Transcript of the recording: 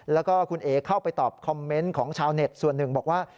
แล้วก็คุณเอ๋เข้าไปตอบคอมเมนต์ของชาวเน็ตส่วนหนึ่งบอกว่า